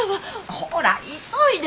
ほら急いで！